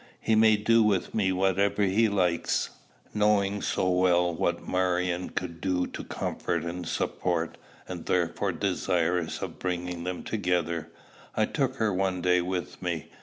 "He may do with me whatever He likes." Knowing so well what Marion could do to comfort and support, and therefore desirous of bringing them together, I took her one day with me.